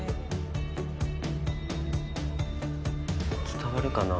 伝わるかな？